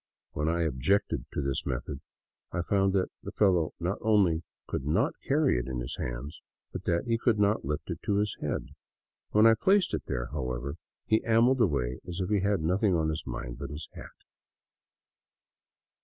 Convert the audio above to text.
When I objected to this method, I found that the fellow not only could not carry it in his hands, but that he could not lift it to his head. When I placed it there, however, he ambled away as if he had nothing on his mind but his hat.